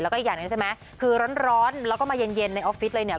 แล้วก็อีกอย่างหนึ่งใช่ไหมคือร้อนแล้วก็มาเย็นเย็นในออฟฟิศเลยเนี่ย